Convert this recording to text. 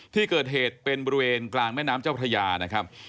ที่เกิดเหตุเป็นบริเวณกลางแม่น้ำเจ้าพระยานะครับ